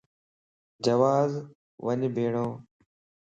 جواز وڃ ٻيڻھو